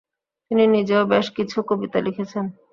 তিনি নিজেও বেশকিছু কবিতা লিখেছেন।